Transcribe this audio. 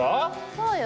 そうよ。